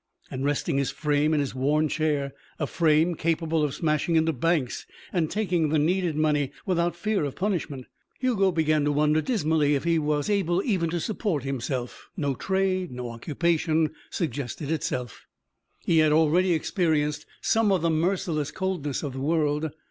And, resting his frame in his worn chair a frame capable of smashing into banks and taking the needed money without fear of punishment Hugo began to wonder dismally if he was able even to support himself. No trade, no occupation, suggested itself. He had already experienced some of the merciless coldness of the world.